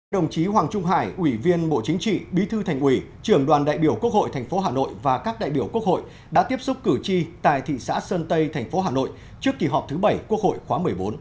đồng chí hoàng trung hải ủy viên bộ chính trị bí thư thành ủy trưởng đoàn đại biểu quốc hội tp hà nội và các đại biểu quốc hội đã tiếp xúc cử tri tại thị xã sơn tây thành phố hà nội trước kỳ họp thứ bảy quốc hội khóa một mươi bốn